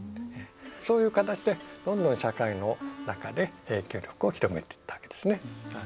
そういう形でどんどん社会の中で影響力を広げていったわけですね。